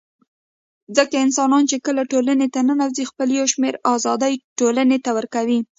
ځکه انسانان چي کله ټولني ته ننوزي خپل يو شمېر آزادۍ ټولني ته ورکوي